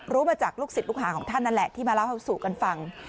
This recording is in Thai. รู้มาจากลูกศิษย์ลูกหาของท่านนั่นแหละที่มาเล่าสู่กันฟัง